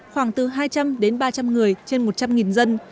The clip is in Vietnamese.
khoảng từ hai trăm linh đến ba trăm linh người trên một trăm linh dân